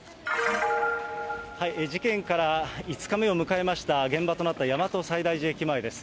事件から５日目を迎えました、現場となった大和西大寺駅前です。